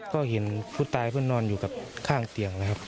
ก็เห็นผู้ตายเพื่อนนอนอยู่กับข้างเตียงนะครับ